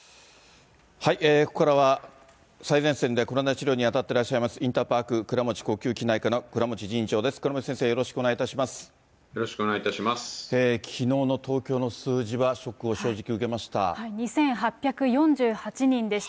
ここからは、最前線でコロナ治療に当たってらっしゃいます、インターパーク倉持呼吸器内科の倉持仁院長です。